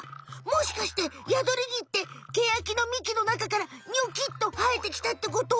もしかしてヤドリギってケヤキの幹の中からニョキッとはえてきたってこと？